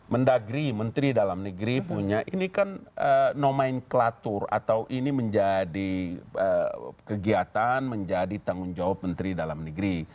mendagri menteri dalam negeri punya ini kan nomenklatur atau ini menjadi kegiatan menjadi tanggung jawab menteri dalam negeri